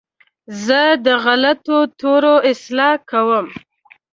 زه د غلطو تورو اصلاح کوم.